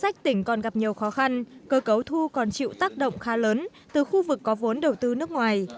còn gặp nhiều khó khăn cơ cấu thu còn chịu tác động khá lớn từ khu vực có vốn đầu tư nước ngoài